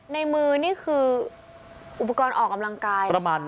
ในมือนี่คืออุปกรณ์ออกกำลังกาย